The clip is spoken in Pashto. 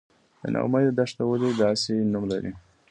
د نا امید دښته ولې داسې نوم لري؟